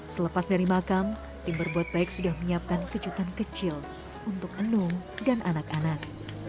selepas dari makam tim berbuat baik sudah menyiapkan kejutan kecil untuk enung dan anak anak